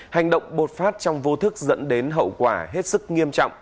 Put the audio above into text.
hành động bột phát trong vô thức dẫn đến hậu quả hết sức nghiêm trọng